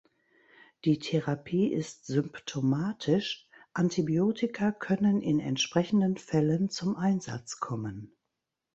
Die Therapie ist symptomatisch, Antibiotika können in entsprechenden Fällen zum Einsatz kommen.